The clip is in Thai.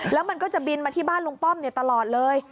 แล้วมันก็จะบินมาที่บ้านลุงป้อมตลอดเลย